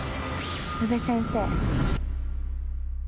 宇部先生。